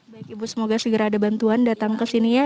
baik ibu semoga segera ada bantuan datang ke sini ya